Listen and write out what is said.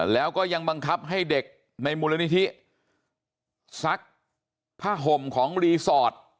แล้วก็ยังบังคับให้เด็กในมูลนิธิซักผ้าห่มของรีสอร์ท